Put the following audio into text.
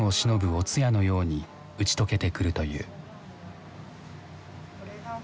お通夜のように打ち解けてくるという。